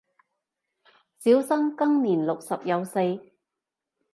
小生今年六十有四